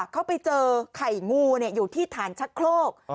เขาไปเจอไข่งูอยู่ที่ฐานชะโครก